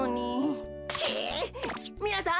みなさん